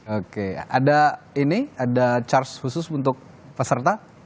oke ada ini ada charge khusus untuk peserta